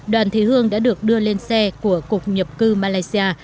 đoàn thị hương đã được đưa lên xe của cục nhập cư malaysia